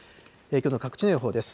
きょうの各地の予報です。